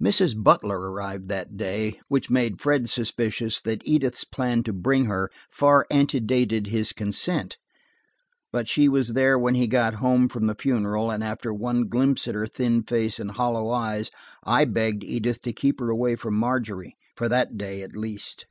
Mrs. Butler arrived that day, which made Fred suspicious that Edith's plan to bring her, far antedated his consent. But she was there when he got home from the funeral, and after one glimpse at her thin face and hollow eyes, I begged Edith to keep her away from Margery, for that day at least.